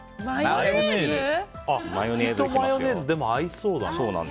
フキとマヨネーズでも、合いそうだな。